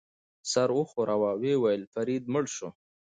سر وښوراوه، ویې ویل: فرید مړ شو.